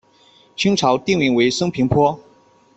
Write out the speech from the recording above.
清朝定名为升平坡。